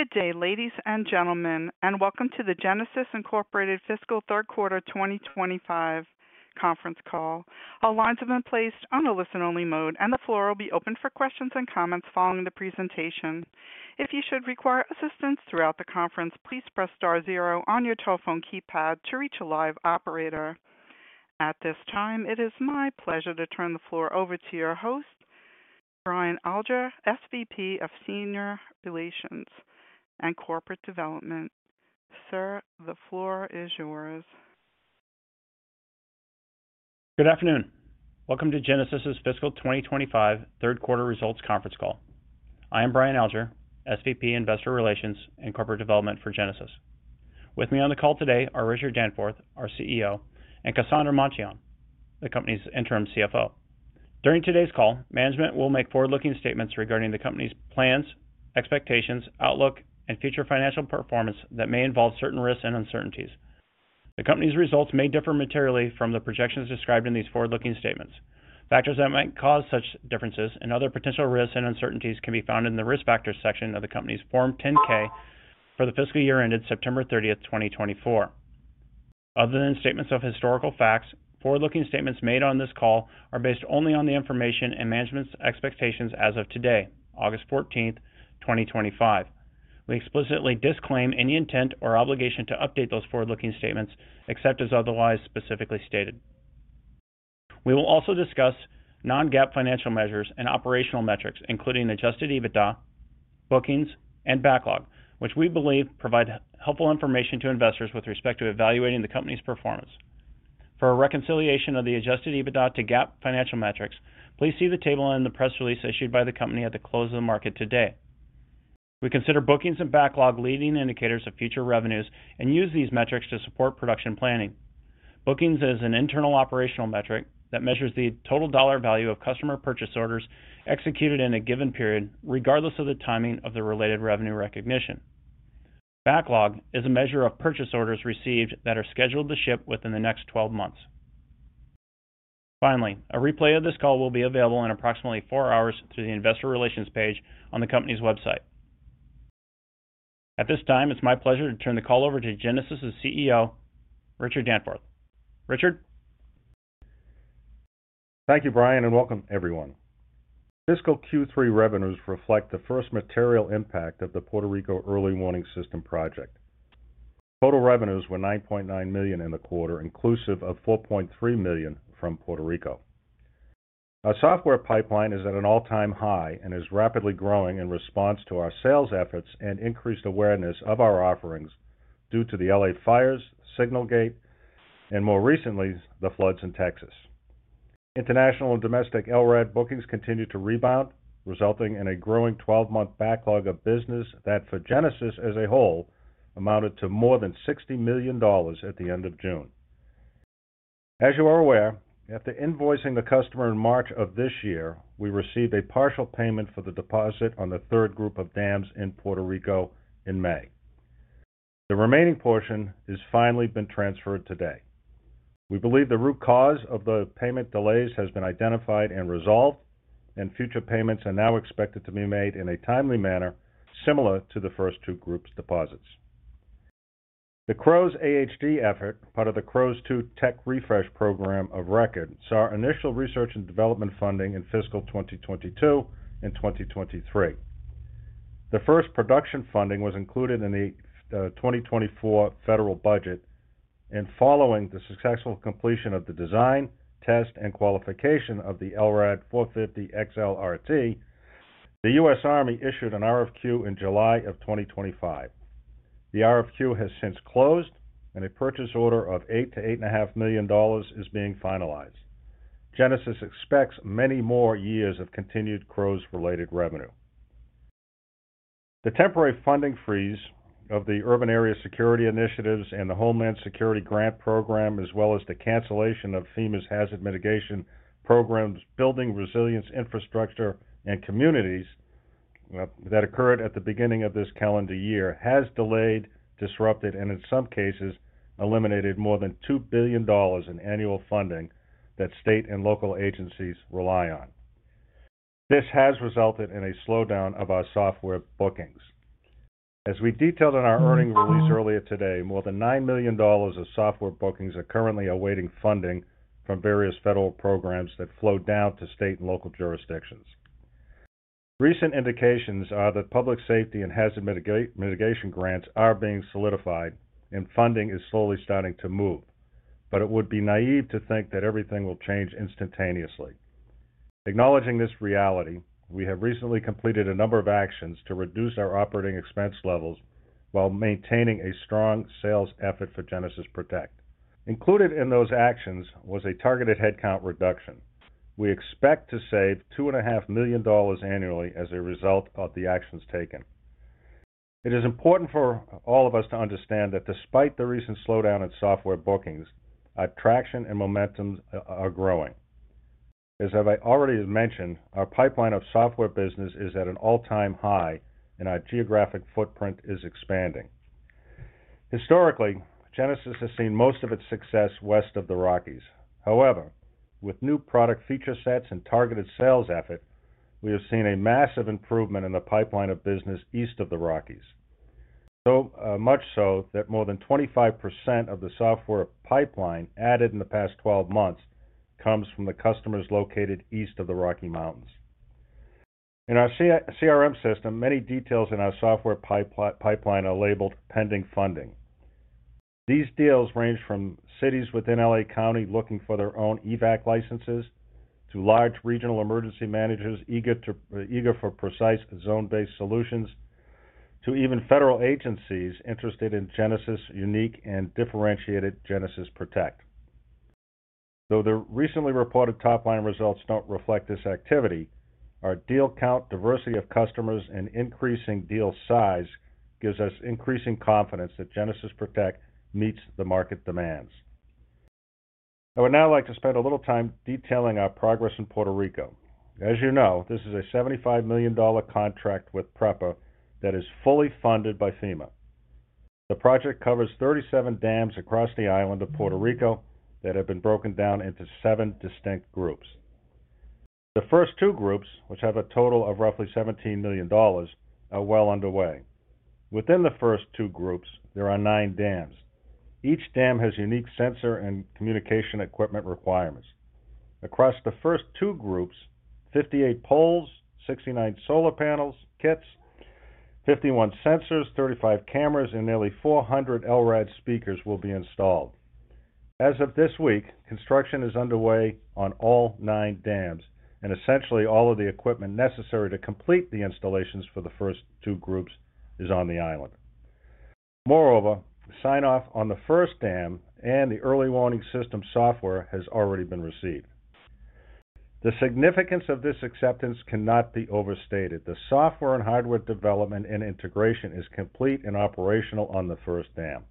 Good day, ladies and gentlemen, and welcome to the Genasys Incorporated Fiscal Third Quarter 2025 Conference Call. All lines have been placed on a listen-only mode, and the floor will be open for questions and comments following the presentation. If you should require assistance throughout the conference, please press star zero on your telephone keypad to reach a live operator. At this time, it is my pleasure to turn the floor over to your host, Brian Alger, SVP of Investor Relations and Corporate Development. Sir, the floor is yours. Good afternoon. Welcome to Genasys' Fiscal 2025 Third Quarter Results Conference Call. I am Brian Alger, SVP Investor Relations and Corporate Development for Genasys. With me on the call today are Richard Danforth, our CEO, and Cassandra Monteon, the company's Interim CFO. During today's call, management will make forward-looking statements regarding the company's plans, expectations, outlook, and future financial performance that may involve certain risks and uncertainties. The company's results may differ materially from the projections described in these forward-looking statements. Factors that might cause such differences and other potential risks and uncertainties can be found in the Risk Factors section of the company's Form 10-K for the fiscal year ended September 30th, 2024. Other than statements of historical facts, forward-looking statements made on this call are based only on the information and management's expectations as of today, August 14th, 2025. We explicitly disclaim any intent or obligation to update those forward-looking statements except as otherwise specifically stated. We will also discuss non-GAAP financial measures and operational metrics, including adjusted EBITDA, bookings, and backlog, which we believe provide helpful information to investors with respect to evaluating the company's performance. For a reconciliation of the adjusted EBITDA to GAAP financial metrics, please see the table and the press release issued by the company at the close of the market today. We consider bookings and backlog leading indicators of future revenues and use these metrics to support production planning. Bookings is an internal operational metric that measures the total dollar value of customer purchase orders executed in a given period, regardless of the timing of the related revenue recognition. Backlog is a measure of purchase orders received that are scheduled to ship within the next 12 months. Finally, a replay of this call will be available in approximately four hours through the Investor Relations page on the company's website. At this time, it's my pleasure to turn the call over to Genasys' CEO, Richard Danforth. Richard? Thank you, Brian, and welcome, everyone. Fiscal Q3 revenues reflect the first material impact of the Puerto Rico Early Warning System project. Total revenues were $9.9 million in the quarter, inclusive of $4.3 million from Puerto Rico. Our software pipeline is at an all-time high and is rapidly growing in response to our sales efforts and increased awareness of our offerings due to the L.A. fires, Signalgate, and more recently, the floods in Texas. International and domestic LRAD bookings continue to rebound, resulting in a growing 12-month backlog of business that for Genasys as a whole amounted to more than $60 million at the end of June. As you are aware, after invoicing the customer in March of this year, we received a partial payment for the deposit on the third group of dams in Puerto Rico in May. The remaining portion has finally been transferred today. We believe the root cause of the payment delays has been identified and resolved, and future payments are now expected to be made in a timely manner, similar to the first two groups' deposits. The CROWS-AHD effort, part of the CROWS II Tech Refresh Program of Record, saw initial research and development funding in fiscal 2022 and 2023. The first production funding was included in the 2024 federal budget, and following the successful completion of the design, test, and qualification of the LRAD 450XL-RT, the U.S. Army issued an RFQ in July of 2025. The RFQ has since closed, and a purchase order of $8 million-$8.5 million is being finalized. Genasys expects many more years of continued CROWS-related revenue. The temporary funding freeze of the Urban Area Security Initiative and the Homeland Security Grant Program, as well as the cancellation of FEMA's Hazard Mitigation Program's Building Resilient Infrastructure and Communities that occurred at the beginning of this calendar year, has delayed, disrupted, and in some cases, eliminated more than $2 billion in annual funding that state and local agencies rely on. This has resulted in a slowdown of our software bookings. As we detailed in our earnings release earlier today, more than $9 million of software bookings are currently awaiting funding from various federal programs that flow down to state and local jurisdictions. Recent indications are that public safety and hazard mitigation grants are being solidified, and funding is slowly starting to move, but it would be naive to think that everything will change instantaneously. Acknowledging this reality, we have recently completed a number of actions to reduce our operating expense levels while maintaining a strong sales effort for Genasys Protect. Included in those actions was a targeted headcount reduction. We expect to save $2.5 million annually as a result of the actions taken. It is important for all of us to understand that despite the recent slowdown in software bookings, our traction and momentum are growing. As I already mentioned, our pipeline of software business is at an all-time high, and our geographic footprint is expanding. Historically, Genasys has seen most of its success west of the Rockies. However, with new product feature sets and targeted sales effort, we have seen a massive improvement in the pipeline of business east of the Rockies, so much so that more than 25% of the software pipeline added in the past 12 months comes from the customers located east of the Rocky Mountains. In our CRM system, many details in our software pipeline are labeled pending funding. These deals range from cities within L.A. County looking for their own EVAC licenses, to large regional emergency managers eager for precise zone-based solutions, to even federal agencies interested in Genasys's unique and differentiated Genasys Protect. Though the recently reported top-line results don't reflect this activity, our deal count, diversity of customers, and increasing deal size give us increasing confidence that Genasys Protect meets the market demands. I would now like to spend a little time detailing our progress in Puerto Rico. As you know, this is a $75 million contract with PREPA that is fully funded by FEMA. The project covers 37 dams across the island of Puerto Rico that have been broken down into seven distinct groups. The first two groups, which have a total of roughly $17 million, are well underway. Within the first two groups, there are nine dams. Each dam has unique sensor and communication equipment requirements. Across the first two groups, 58 poles, 69 solar panel kits, 51 sensors, 35 cameras, and nearly 400 LRAD speakers will be installed. As of this week, construction is underway on all nine dams, and essentially all of the equipment necessary to complete the installations for the first two groups is on the island. Moreover, sign-off on the first dam and the early warning system software has already been received. The significance of this acceptance cannot be overstated. The software and hardware development and integration is complete and operational on the first dam.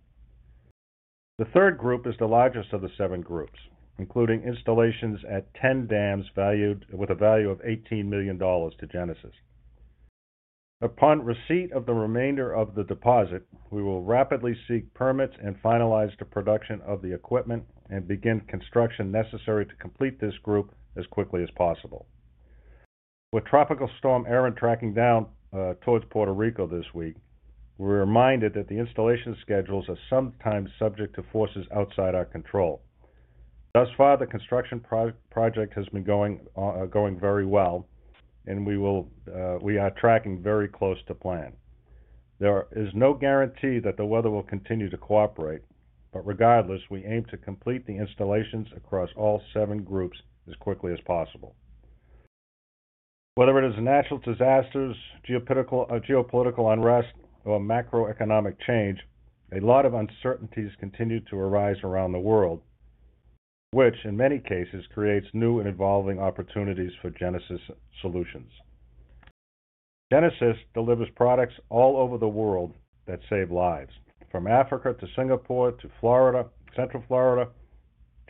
The third group is the largest of the seven groups, including installations at 10 dams with a value of $18 million to Genasys. Upon receipt of the remainder of the deposit, we will rapidly seek permits and finalize the production of the equipment and begin construction necessary to complete this group as quickly as possible. With Tropical Storm Erin tracking down towards Puerto Rico this week, we're reminded that the installation schedules are sometimes subject to forces outside our control. Thus far, the construction project has been going very well, and we are tracking very close to plan. There is no guarantee that the weather will continue to cooperate, but regardless, we aim to complete the installations across all seven groups as quickly as possible. Whether it is natural disasters, geopolitical unrest, or macroeconomic change, a lot of uncertainties continue to arise around the world, which in many cases creates new and evolving opportunities for Genasys solutions. Genasys delivers products all over the world that save lives. From Africa to Singapore to Florida, Central Florida,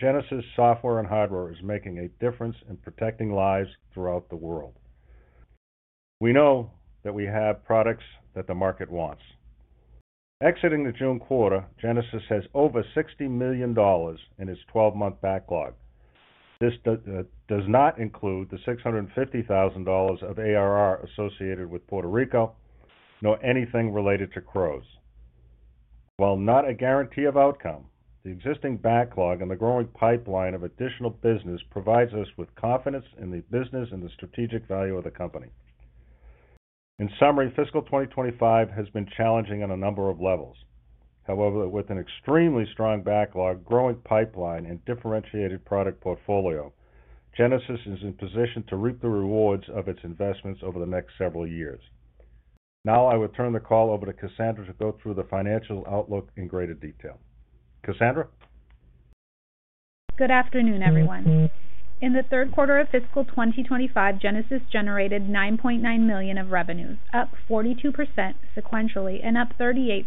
Genasys software and hardware is making a difference in protecting lives throughout the world. We know that we have products that the market wants. Exiting the June quarter, Genasys has over $60 million in its 12-month backlog. This does not include the $650,000 of ARR associated with Puerto Rico, nor anything related to CROWS. While not a guarantee of outcome, the existing backlog and the growing pipeline of additional business provide us with confidence in the business and the strategic value of the company. In summary, Fiscal 2025 has been challenging on a number of levels. However, with an extremely strong backlog, growing pipeline, and differentiated product portfolio, Genasys is in position to reap the rewards of its investments over the next several years. Now I will turn the call over to Cassandra to go through the financial outlook in greater detail. Cassandra. Good afternoon, everyone. In the third quarter of Fiscal 2025, Genasys generated $9.9 million of revenues, up 42% sequentially, and up 38%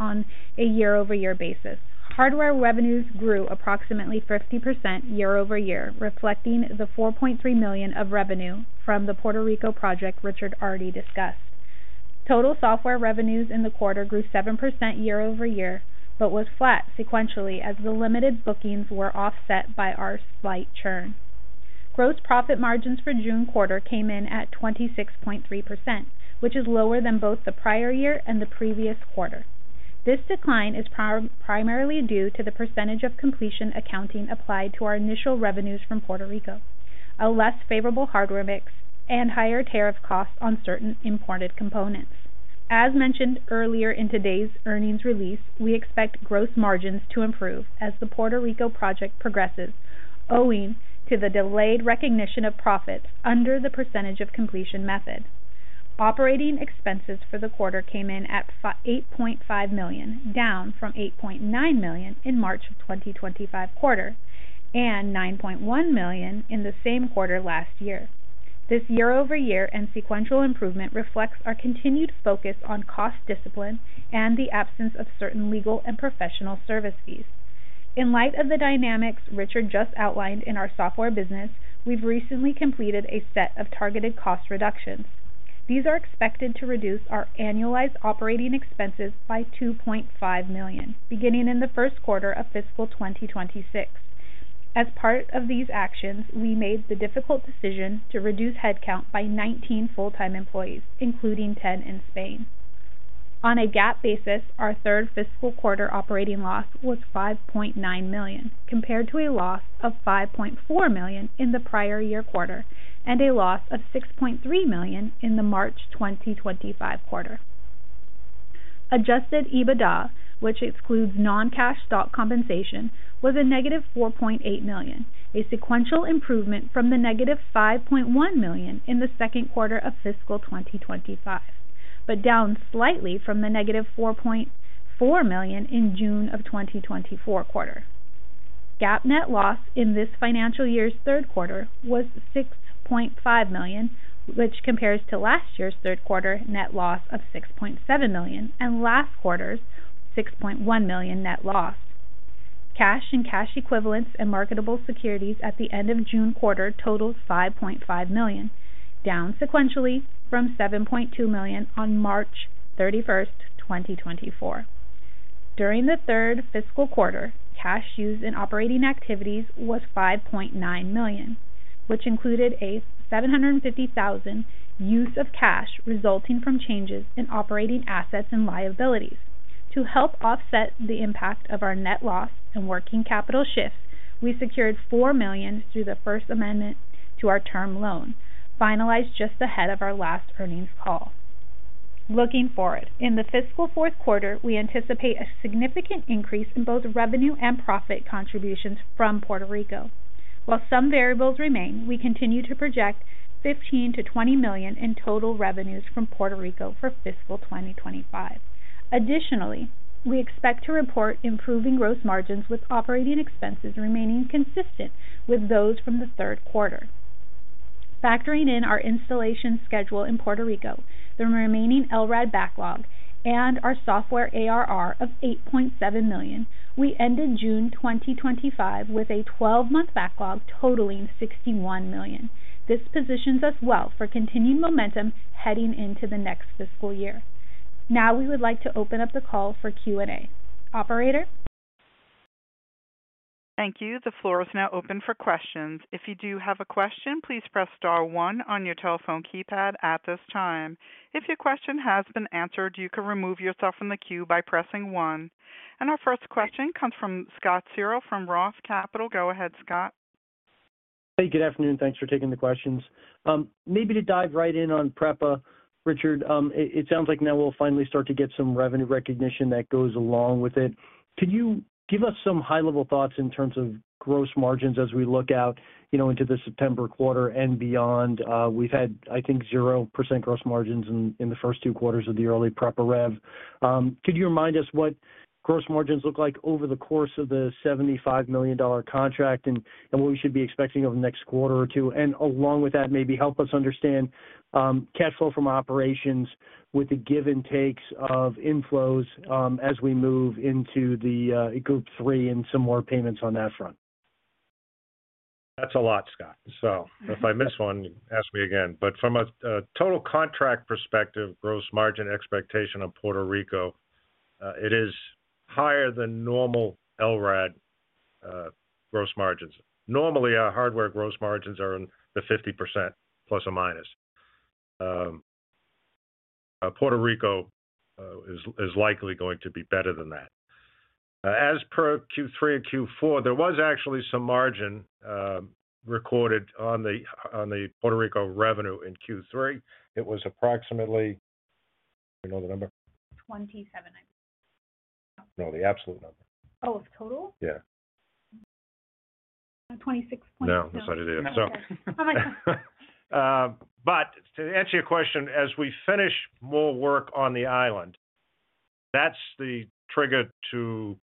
on a year-over-year basis. Hardware revenues grew approximately 50% year-over-year, reflecting the $4.3 million of revenue from the Puerto Rico project Richard already discussed. Total software revenues in the quarter grew 7% year-over-year, but was flat sequentially as the limited bookings were offset by our slight churn. Gross profit margins for the June quarter came in at 26.3%, which is lower than both the prior year and the previous quarter. This decline is primarily due to the percentage of completion accounting applied to our initial revenues from Puerto Rico, a less favorable hardware mix, and higher tariff costs on certain imported components. As mentioned earlier in today's earnings release, we expect gross margins to improve as the Puerto Rico project progresses, owing to the delayed recognition of profits under the percentage of completion method. Operating expenses for the quarter came in at $8.5 million, down from $8.9 million in the March 2025 quarter, and $9.1 million in the same quarter last year. This year-over-year and sequential improvement reflects our continued focus on cost discipline and the absence of certain legal and professional service fees. In light of the dynamics Richard just outlined in our software business, we've recently completed a set of targeted cost reductions. These are expected to reduce our annualized operating expenses by $2.5 million, beginning in the first quarter of Fiscal 2026. As part of these actions, we made the difficult decision to reduce headcount by 19 full-time employees, including 10 in Spain. On a GAAP basis, our third fiscal quarter operating loss was $5.9 million, compared to a loss of $5.4 million in the prior year quarter, and a loss of $6.3 million in the March 2025 quarter. Adjusted EBITDA, which excludes non-cash stock compensation, was a $4.8- million, a sequential improvement from the $5.1- million in the second quarter of Fiscal 2025, but down slightly from the $4.4- million in the June 2024 quarter. GAAP net loss in this financial year's third quarter was $6.5 million, which compares to last year's third quarter net loss of $6.7 million and last quarter's $6.1 million net loss. Cash and cash equivalents and marketable securities at the end of the June quarter totaled $5.5 million, down sequentially from $7.2 million on March 31st, 2024. During the third fiscal quarter, cash used in operating activities was $5.9 million, which included a $750,000 use of cash resulting from changes in operating assets and liabilities. To help offset the impact of our net loss and working capital shifts, we secured $4 million through the First Amendment to our term loan, finalized just ahead of our last earnings call. Looking forward, in the fiscal fourth quarter, we anticipate a significant increase in both revenue and profit contributions from Puerto Rico. While some variables remain, we continue to project $15 million-$20 million in total revenues from Puerto Rico for Fiscal 2025. Additionally, we expect to report improving gross margins with operating expenses remaining consistent with those from the third quarter. Factoring in our installation schedule in Puerto Rico, the remaining LRAD backlog, and our software ARR of $8.7 million, we ended June 2025 with a 12-month backlog totaling $61 million. This positions us well for continued momentum heading into the next fiscal year. Now we would like to open up the call for Q&A. Operator? Thank you. The floor is now open for questions. If you do have a question, please press star one on your telephone keypad at this time. If your question has been answered, you can remove yourself from the queue by pressing one. Our first question comes from Scott Searle from ROTH Capital. Go ahead, Scott. Hey, good afternoon. Thanks for taking the questions. Maybe to dive right in on PREPA, Richard, it sounds like now we'll finally start to get some revenue recognition that goes along with it. Could you give us some high-level thoughts in terms of gross margins as we look out, you know, into the September quarter and beyond? We've had, I think, 0% gross margins in the first two quarters of the early PREPA rev. Could you remind us what gross margins look like over the course of the $75 million contract and what we should be expecting over the next quarter or two? Along with that, maybe help us understand cash flow from operations with the give and takes of inflows as we move into the group three and some more payments on that front. That's a lot, Scott. If I miss one, ask me again. From a total contract perspective, gross margin expectation of Puerto Rico, it is higher than normal LRAD gross margins. Normally, our hardware gross margins are in the ±50%. Puerto Rico is likely going to be better than that. As per Q3 and Q4, there was actually some margin recorded on the Puerto Rico revenue in Q3. It was approximately, do you know the number? 27, I believe. No, the absolute number. Oh, of total? Yeah. 26. No, that's not ideal. To answer your question, as we finish more work on the island, that's the trigger to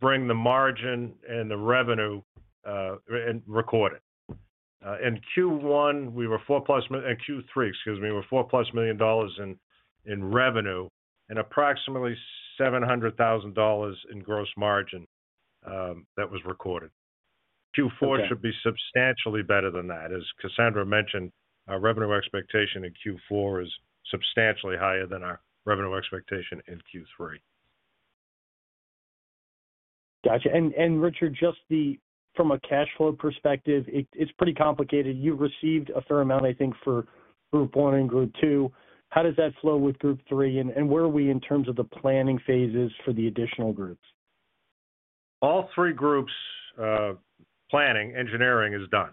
bring the margin and the revenue and record it. In Q1, we were $4+ million, in Q3, excuse me, we were $4+ million in revenue and approximately $700,000 in gross margin that was recorded. Q4 should be substantially better than that. As Cassandra mentioned, our revenue expectation in Q4 is substantially higher than our revenue expectation in Q3. Gotcha. Richard, just from a cash flow perspective, it's pretty complicated. You've received a fair amount, I think, for Group 1 and Group 2. How does that flow with Group 3? Where are we in terms of the planning phases for the additional groups? All three groups' planning, engineering is done.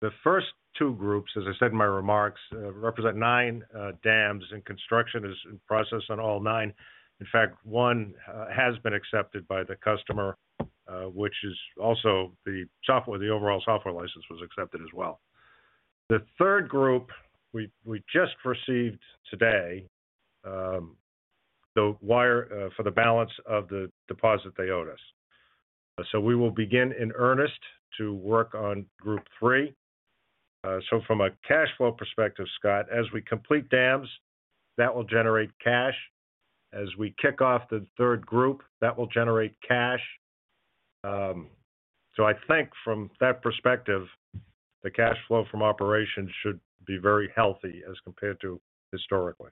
The first two groups, as I said in my remarks, represent nine dams, and construction is in process on all nine. In fact, one has been accepted by the customer, which is also the software, the overall software license was accepted as well. The third group, we just received today for the balance of the deposit they owed us. We will begin in earnest to work on Group 3. From a cash flow perspective, Scott, as we complete dams, that will generate cash. As we kick off the third group, that will generate cash. I think from that perspective, the cash flow from operations should be very healthy as compared to historically.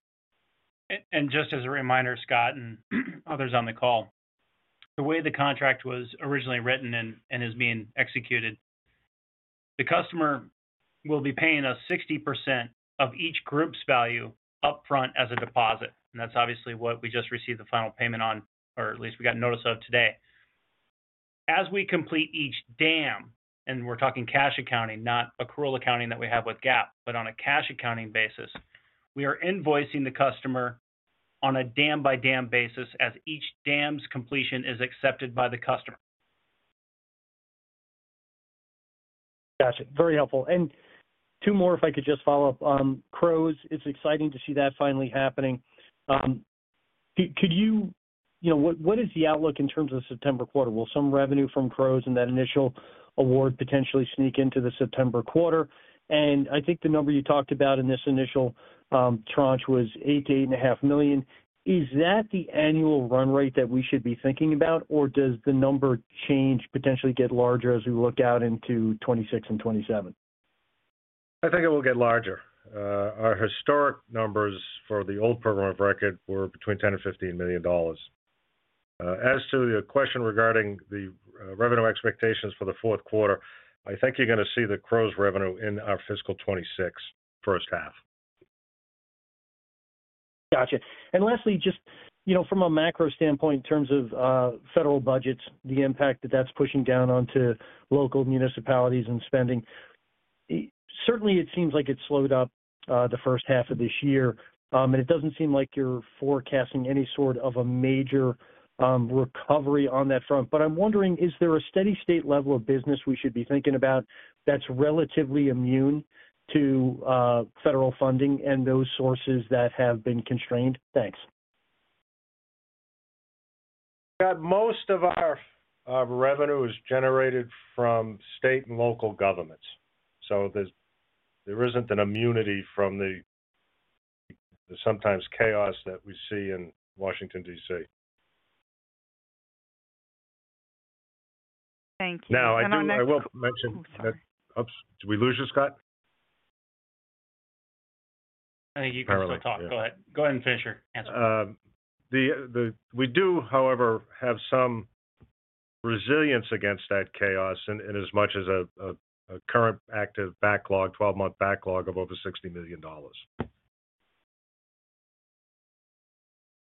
Just as a reminder, Scott and others on the call, the way the contract was originally written and is being executed, the customer will be paying us 60% of each group's value upfront as a deposit. That is obviously what we just received the final payment on, or at least we got notice of today. As we complete each dam, and we're talking cash accounting, not accrual accounting that we have with GAAP, but on a cash accounting basis, we are invoicing the customer on a dam-by-dam basis as each dam's completion is accepted by the customer. Gotcha. Very helpful. Two more, if I could just follow up on CROWS. It's exciting to see that finally happening. Could you, you know, what is the outlook in terms of the September quarter? Will some revenue from CROWS and that initial award potentially sneak into the September quarter? I think the number you talked about in this initial tranche was $8 million-$8.5 million. Is that the annual run rate that we should be thinking about, or does the number change, potentially get larger as we look out into 2026 and 2027? I think it will get larger. Our historic numbers for the old program of record were between $10 million-$15 million. As to your question regarding the revenue expectations for the fourth quarter, I think you're going to see the CROWS revenue in our fiscal 2026 first half. Gotcha. Lastly, just from a macro standpoint in terms of federal budgets, the impact that that's pushing down onto local municipalities and spending, certainly it seems like it slowed up the first half of this year. It doesn't seem like you're forecasting any sort of a major recovery on that front. I'm wondering, is there a steady state level of business we should be thinking about that's relatively immune to federal funding and those sources that have been constrained? Thanks. Most of our revenue is generated from state and local governments. There isn't an immunity from the sometimes chaos that we see in Washington, D.C. Thank you. Now, I will mention that, did we lose you, Scott? I think you can still talk. Go ahead and finish your answer. We do, however, have some resilience against that chaos in as much as a current active backlog, 12-month backlog of over $60 million.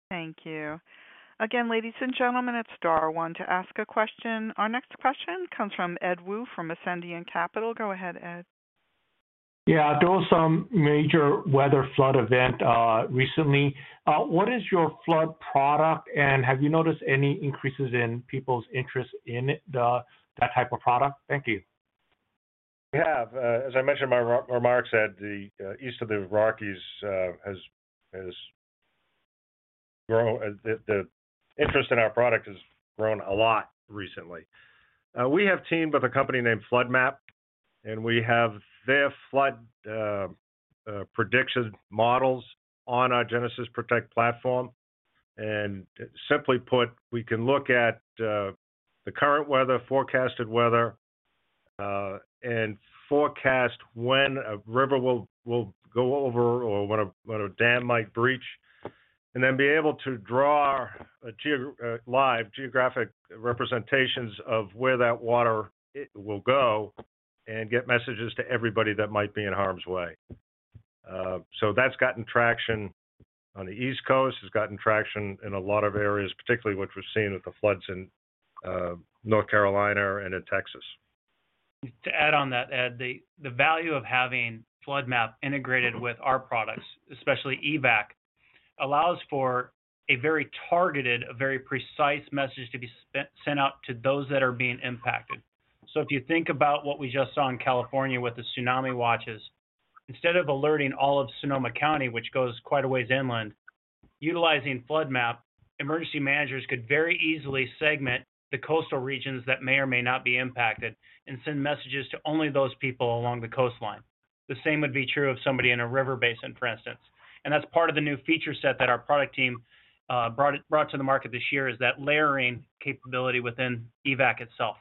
Thank you. Again, ladies and gentlemen, it's star one to ask a question. Our next question comes from Ed Woo from Ascendiant Capital. Go ahead, Ed. Yeah, there was some major weather flood event recently. What is your flood product, and have you noticed any increases in people's interest in that type of product? Thank you. We have. As I mentioned in my remarks, at the east of the Rockies, the interest in our product has grown a lot recently. We have a team with a company named FloodMapp, and we have their flood prediction models on our Genasys Protect platform. Simply put, we can look at the current weather, forecasted weather, and forecast when a river will go over or when a dam might breach, and then be able to draw live geographic representations of where that water will go and get messages to everybody that might be in harm's way. That's gotten traction on the East Coast. It's gotten traction in a lot of areas, particularly what we're seeing with the floods in North Carolina and in Texas. To add on that, Ed, the value of having FloodMapp integrated with our products, especially EVAC, allows for a very targeted, very precise message to be sent out to those that are being impacted. If you think about what we just saw in California with the tsunami watches, instead of alerting all of Sonoma County, which goes quite a ways inland, utilizing FloodMapp, emergency managers could very easily segment the coastal regions that may or may not be impacted and send messages to only those people along the coastline. The same would be true of somebody in a river basin, for instance. That is part of the new feature set that our product team brought to the market this year, that layering capability within EVAC itself.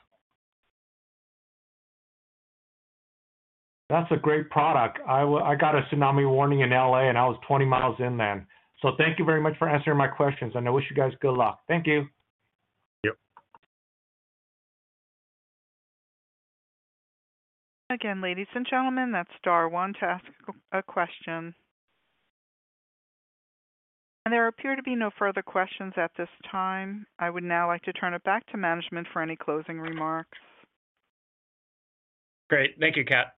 That's a great product. I got a tsunami warning in L.A., and I was 20 miles inland. Thank you very much for answering my questions, and I wish you guys good luck. Thank you. Yep. Again, ladies and gentlemen, that's star one to ask a question. There appear to be no further questions at this time. I would now like to turn it back to management for any closing remarks. Great. Thank you, Kat.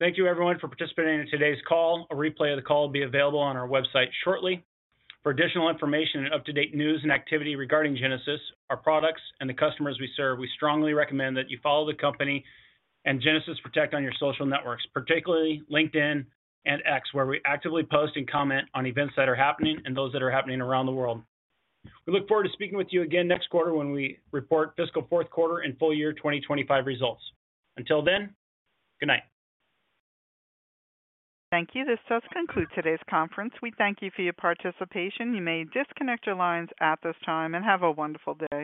Thank you, everyone, for participating in today's call. A replay of the call will be available on our website shortly. For additional information and up-to-date news and activity regarding Genasys, our products, and the customers we serve, we strongly recommend that you follow the company and Genasys Protect on your social networks, particularly LinkedIn and X, where we actively post and comment on events that are happening and those that are happening around the world. We look forward to speaking with you again next quarter when we report Fiscal Fourth Quarter and Full Year 2025 results. Until then, good night. Thank you. This does conclude today's conference. We thank you for your participation. You may disconnect your lines at this time and have a wonderful day.